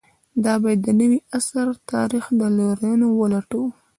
دا باید د نوي عصر تاریخي لورینو کې ولټوو.